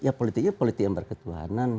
ya politiknya politik yang berketuhanan